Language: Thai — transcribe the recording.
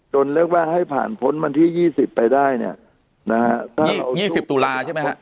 จนเรียกว่าให้ผ่านพ้นมันที่ยี่สิบไปได้เนี้ยนะฮะยี่สิบตุลาใช่ไหมฮะ